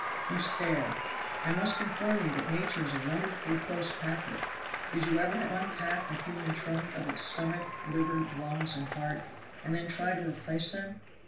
You stare. I must inform you that Nature is a wonderfully close packer. Did you ever unpack a human trunk of its stomach, liver, lungs and heart, and then try to replace them?